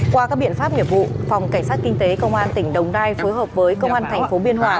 qua các biện pháp nghiệp vụ phòng cảnh sát kinh tế công an tỉnh đồng nai phối hợp với công an tp biên hòa